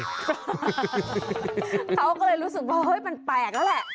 เขาก็เลยรู้สึกว่าเฮ้ยมันแปลกแล้วแหละ